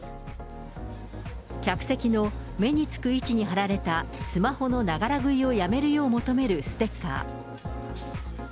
客席の目につく位置に貼られたスマホのながら食いをやめるよう求めるステッカー。